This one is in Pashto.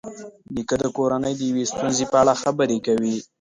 نیکه د کورنۍ د یوې ستونزې په اړه خبرې کوي.